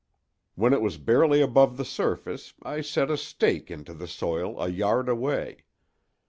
When it was barely above the surface I set a stake into the soil a yard away.